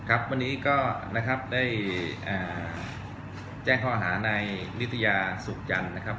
ครับวันนี้ก็นะครับได้แจ้งข้อหาในนิตยาสุขจันทร์นะครับ